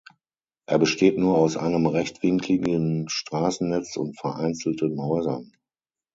Er besteht nur aus einem rechtwinkeligen Straßennetz und vereinzelten Häusern.